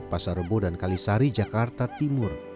pasarobo dan kalisari jakarta timur